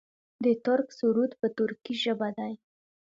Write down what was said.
د ترک سرود په ترکۍ ژبه دی.